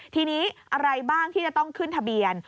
ทีนี้อะไรบ้างที่จะต้องขึ้นทะเบียน